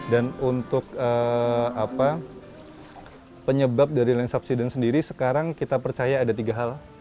dan untuk penyebab dari lensubsidence sendiri sekarang kita percaya ada tiga hal